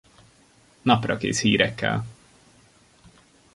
Naprakész hírekkel.